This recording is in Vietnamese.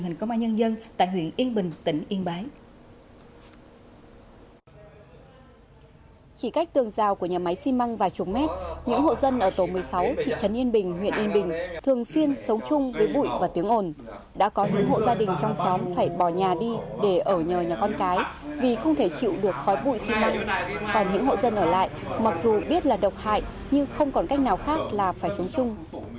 từ năm hai nghìn một mươi sáu thị trấn yên bình huyện yên bình thường xuyên sống chung với bụi và tiếng ồn đã có những hộ gia đình trong xóm phải bỏ nhà đi để ở nhờ nhà con cái vì không thể chịu được khói bụi xuyên mạnh còn những hộ dân ở lại mặc dù biết là độc hại nhưng không còn cách nào khác là phải sống chung